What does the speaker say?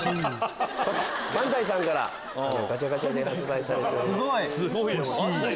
バンダイさんからガチャガチャで発売されています。